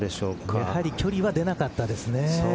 やはり距離は出なかったですね。